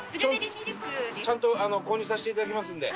ちゃんと購入させていただきますんで。